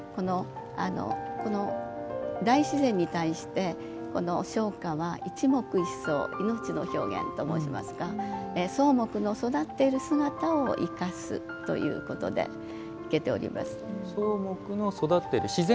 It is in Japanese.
大自然に対して、生花は「一木一草命の表現」と申しますが草木の育っている姿を生かすということで生けております。